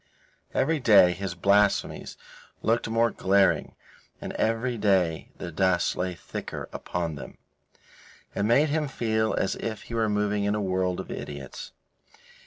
Every day his blasphemies looked more glaring, and every day the dust lay thicker upon them. It made him feel as if he were moving in a world of idiots.